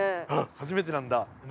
初めてなんだ。